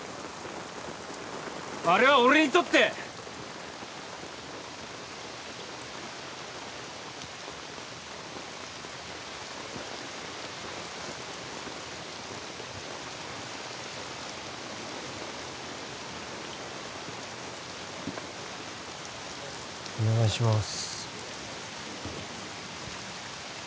あれは俺にとってお願いしまーす